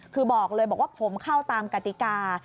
คือบอกเลยบอกว่าผมเข้าตามกติกา